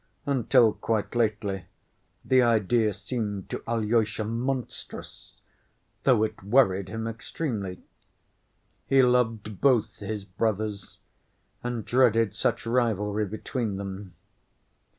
Until quite lately the idea seemed to Alyosha monstrous, though it worried him extremely. He loved both his brothers, and dreaded such rivalry between them.